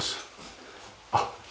あっ。